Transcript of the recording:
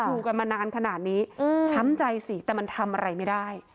อยู่กันมานานขนาดนี้ช้ำใจสิแต่มันทำอะไรไม่ได้